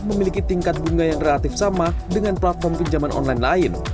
memiliki tingkat bunga yang relatif sama dengan platform pinjaman online lain